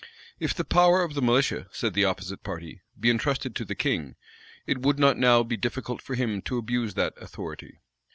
If the power of the militia, said the opposite party, be intrusted to the king, it would not now be difficult for him to abuse that authority.